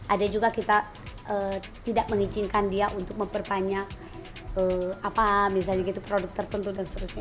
ada juga kita tidak mengizinkan dia untuk memperpanjang apa misalnya gitu produk tertentu dan seterusnya